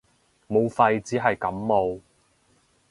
武肺只係感冒